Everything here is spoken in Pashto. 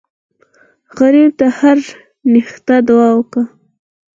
غریب ته هره ښېګڼه دعا ده